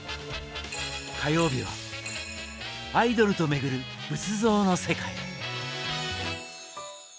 火曜日は「アイドルと巡る仏像の世界」。